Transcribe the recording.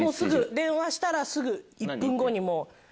電話したらすぐ１分後にもう。